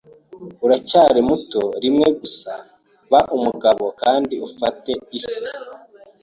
Uracyari muto rimwe gusa. Ba umugabo kandi ufate isi.